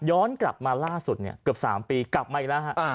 กลับมาล่าสุดเนี่ยเกือบ๓ปีกลับมาอีกแล้วฮะ